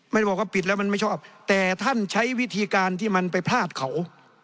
ไม่ได้บอกว่าปิดแล้วมันไม่ชอบแต่ท่านใช้วิธีการที่มันไปพลาดเขา